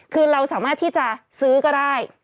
คือเราสามารถที่จะซื้อก็ได้